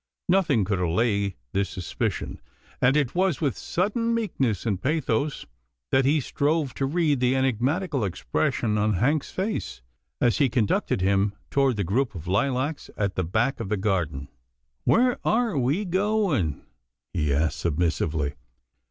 Nothing could allay this suspicion, and it was with sudden meekness and pathos that he strove to read the enigmatical expression on Hank's face as he con ducted him toward the group of lilacs at the back of the garden. 316 'TILDA JANE'S ORPHANS " Where are we going? " he asked submissively.